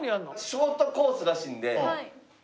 ショートコースらしいんで。